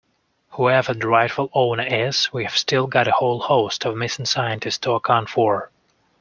Whoever the rightful owner is we've still got a whole host of missing scientists to account for.